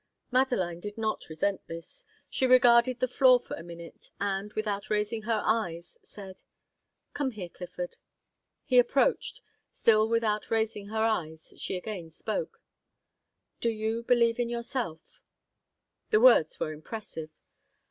Madeline did not resent this. She regarded the floor for a minute, and, without raising her eyes, said: "Come here, Clifford." He approached. Still without raising her eyes, she again spoke. "Do you believe in yourself?" The words were impressive.